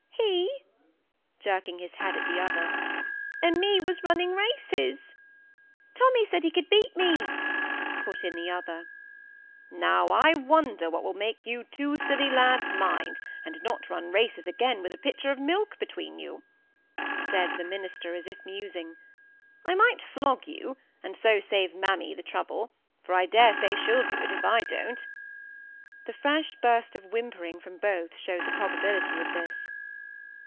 "He" (jerking his head at the other) "and me was running races." "Tommy said he could beat me," put in the other. "Now, I wonder what will make you two silly lads mind, and not run races again with a pitcher of milk between you," said the minister, as if musing. "I might flog you, and so save mammy the trouble; for I dare say she'll do it if I don't." The fresh burst of whimpering from both showed the probability of this.